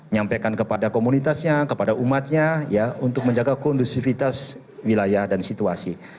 nyampaikan kepada komunitasnya kepada umatnya untuk menjaga kondusivitas wilayah dan situasi